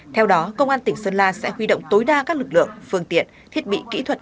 theo đó công an tỉnh sơn la sẽ huy động tối đa các lực lượng phương tiện thiết bị kỹ thuật